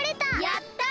やった！